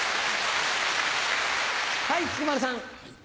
はい菊丸さん。